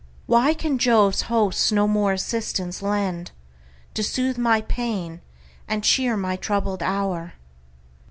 Why can Jove's host no more assistance lend, To soothe my pains, and cheer my troubled hour?